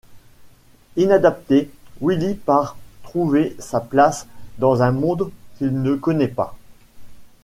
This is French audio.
Inadapté, Willy part trouver sa place dans un monde qu’il ne connaît pas.